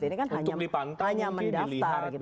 ini kan hanya mendaftar